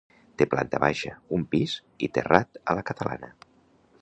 Té planta baixa, un pis i terrat a la catalana.